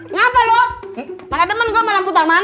ngapalo mana temen lo sama lampu tarman